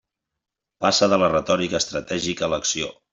Passa de la retòrica estratègica a l'acció.